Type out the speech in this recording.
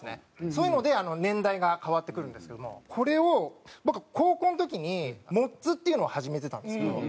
そういうので年代が変わってくるんですけどもこれを僕は高校の時にモッズっていうのを始めてたんですけど。